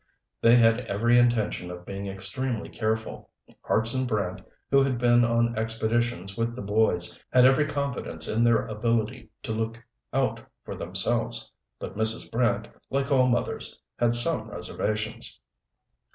They had every intention of being extremely careful. Hartson Brant, who had been on expeditions with the boys, had every confidence in their ability to look out for themselves. But Mrs. Brant, like all mothers, had some reservations.